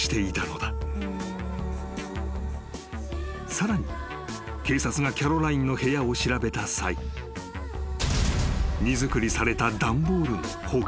［さらに警察がキャロラインの部屋を調べた際荷造りされた段ボールの他に］